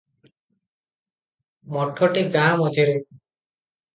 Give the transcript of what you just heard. ମଠଟି ଗାଁ ମଝିରେ ।